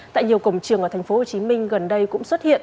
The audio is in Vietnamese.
tại nhiều cổng trường ở tp hcm gần đây cũng xuất hiện